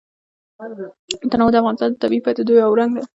تنوع د افغانستان د طبیعي پدیدو یو رنګ دی.